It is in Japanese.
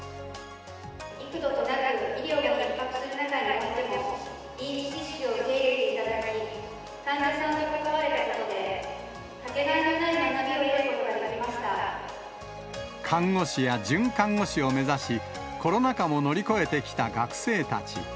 幾度となく医療がひっ迫する中においても、臨地実習を受け入れていただき、患者さんと関われたことで、掛けがえのない学びを得ることが看護師や准看護師を目指し、コロナ禍も乗り越えてきた学生たち。